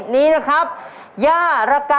ได้ครับ